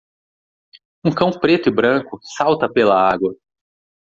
Um cão preto e branco salta pela água.